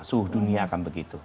seluruh dunia akan begitu